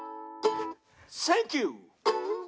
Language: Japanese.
「センキュー！」